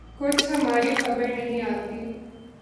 کچھ ہماری خبر نہیں آتی